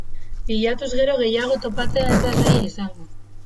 Bilatuz gero gehiago topatzea ez da zaila izango.